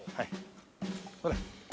ほら。